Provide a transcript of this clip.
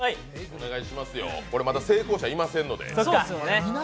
まだ成功者いませんので。